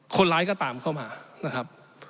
คนร้ายก็ตามเข้ามานะครับ